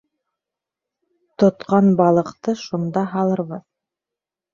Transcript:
Тотҡан балыҡты шунда һалырбыҙ.